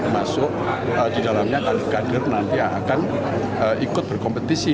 masuk di dalamnya kader kader nanti akan ikut berkompetisi